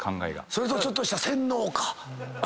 それとちょっとした洗脳か。